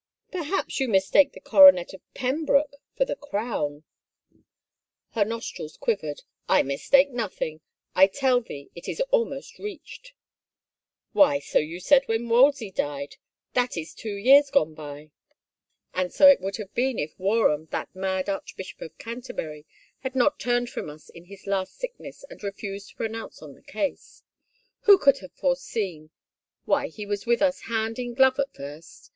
Perhaps you mistake the coronet of Pembroke for the crown ?" Her nostrils quivered. "I mistake nothing! I tell thee, it is almost reached." "Why so you said when Wolsey died. ... That is two years gone by." . "And so it would have been if Warham, that mad archbishop of Canterbury, had not turned from us in his last sickness and refused to pronounce on the case! Who could have foreseen — why he was with us hand in glove at first!